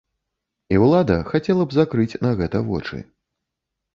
І ўлада хацела б закрыць на гэта вочы.